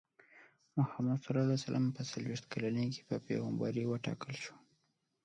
محمد ص په څلوېښت کلنۍ کې په پیغمبرۍ وټاکل شو.